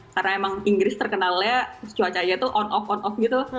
karena emang inggris terkenalnya cuaca aja tuh on off on off gitu